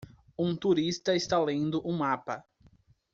Um turista está lendo um mapa.